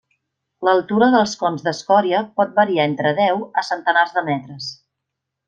L'altura dels cons d'escòria pot variar entre deu a centenars de metres.